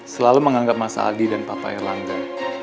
selalu menganggap mas aldi dan papa erlangga